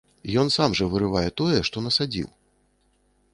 Ён сам жа вырывае тое, што насадзіў.